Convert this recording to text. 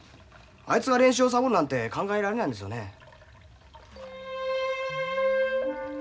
あいつが練習をサボるなんて考えられないんですよね。